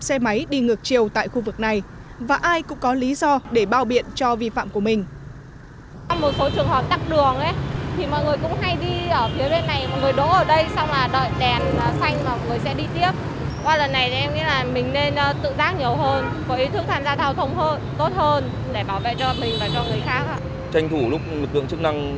xe máy đi ngược chiều tại khu vực này và ai cũng có lý do để bao biện cho vi phạm của mình